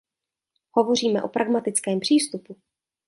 Hovoříme o pragmatickém přístupu.